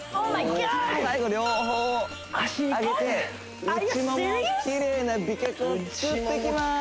最後両方上げて内ももきれいな美脚をつくっていきます